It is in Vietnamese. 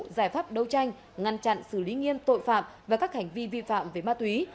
giải pháp đấu tranh ngăn chặn xử lý nghiêm tội phạm và các hành vi vi phạm về ma túy